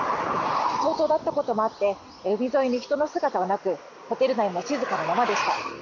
早朝だったこともあって人の姿はなくホテル内は静かなままでした。